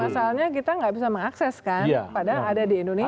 masalahnya kita enggak bisa mengakseskan padahal ada di indonesia